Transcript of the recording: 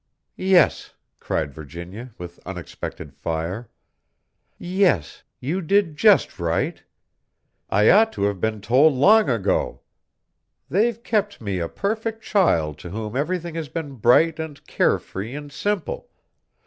"Yes," cried Virginia, with unexpected fire. "Yes, you did just right! I ought to have been told long ago! They've kept me a perfect child to whom everything has been bright and care free and simple.